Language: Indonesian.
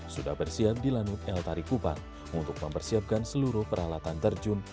sudah bersiap di lanut el tari kupang untuk mempersiapkan seluruh peralatan terjun